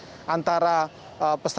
tidak hanya soal suhu badan saja yang diperiksa